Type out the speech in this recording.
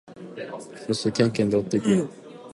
そしてケンケンで追っていく。